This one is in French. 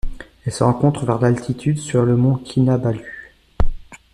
Elle se rencontre vers d'altitude sur le mont Kinabalu.